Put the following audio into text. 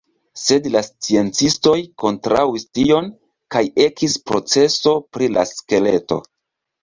Sed la sciencistoj kontraŭis tion kaj ekis proceso pri la skeleto.